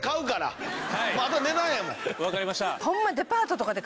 わかりました。